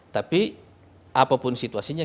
tapi apapun situasinya